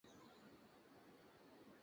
এই বাড়িতে কে কে আসে?